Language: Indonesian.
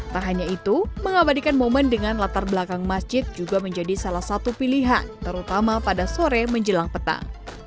tak hanya itu mengabadikan momen dengan latar belakang masjid juga menjadi salah satu pilihan terutama pada sore menjelang petang